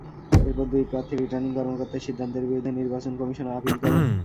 এরপর দুই প্রার্থী রিটার্নিং কর্মকর্তার সিদ্ধান্তের বিরুদ্ধে নির্বাচন কমিশনে আপিল করেন।